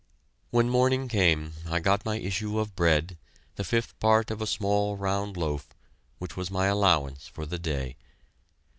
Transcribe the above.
When morning came I got my issue of bread, the fifth part of a small round loaf, which was my allowance for the day.